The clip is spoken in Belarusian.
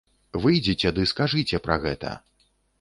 Выйдзеце ды скажыце пра гэта.